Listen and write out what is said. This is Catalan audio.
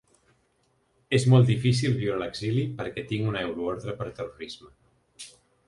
És molt difícil viure a l’exili perquè tinc una euroordre per terrorisme.